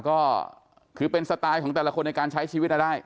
ก็คือเป็นสไตล์ของแต่ละคนในการใช้ชีวิตได้